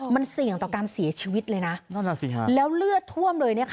มันเสี่ยงต่อการเสียชีวิตเลยนะน่าจะเสี่ยงค่ะแล้วเลือดท่วมเลยนะคะ